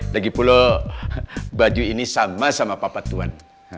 lagipula baju ini sama sama papa tuan